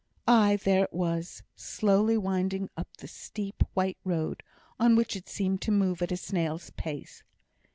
Aye, there it was, slowly winding up the steep white road, on which it seemed to move at a snail's pace.